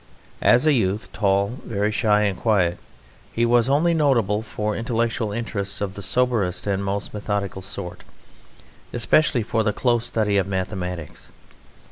As a youth, tall, very shy and quiet, he was only notable for intellectual interests of the soberest and most methodical sort, especially for the close study of mathematics.